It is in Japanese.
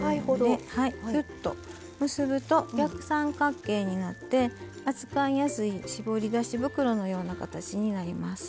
きゅっと結ぶと逆三角形になって扱いやすい絞り出し袋のような形になります。